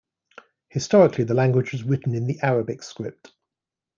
Historically, the language was written in the Arabic script.